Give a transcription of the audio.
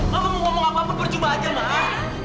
mama mau ngomong apa pun berjumpa aja mak